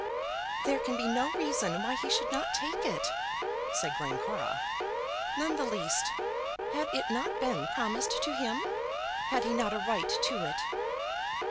"There can be no reason why he should not take it," said Glencora. "None the least. Had it not been promised to him? Had he not a right to it?"